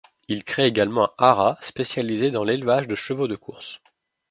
Il crée également un hara, spécialisée dans l'élevage de chevaux de course.